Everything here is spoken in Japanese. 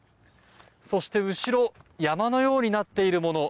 そして後ろ山のようになっているもの。